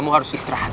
tadi aku lihat